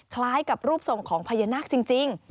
คล้ายกับรูปทรงของพญานาคจริง